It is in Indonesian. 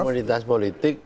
iya komoditas politik